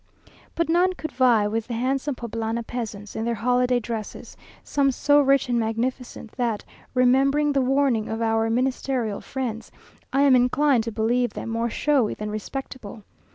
But none could vie with the handsome Poblana peasants in their holiday dresses, some so rich and magnificent, that, remembering the warning of our Ministerial friends, I am inclined to believe them more showy than respectable.